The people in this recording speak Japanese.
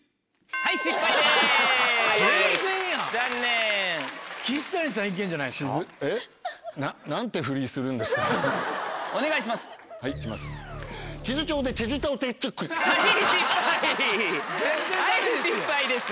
はい失敗です。